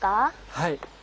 はい。